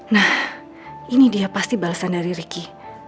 nah ini dia pasti balasan dari ricky